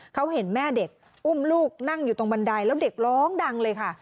เขาเห็นแม่เด็กอุ้มลูกนั่งอยู่ตรงบันไดแล้วเด็กร้องดังเลยค่ะ